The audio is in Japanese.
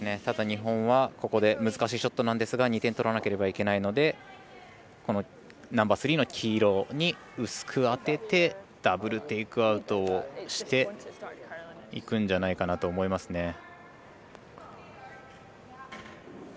ただ、日本はここで難しいショットですが２点取らなければいけないのでこのナンバースリーの黄色に薄く当ててダブル・テイクアウトをしていくんじゃないかなと思いますね。